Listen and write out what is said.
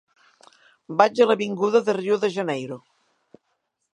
Vaig a l'avinguda de Rio de Janeiro.